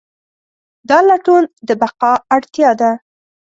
دا لټون د بقا اړتیا ده.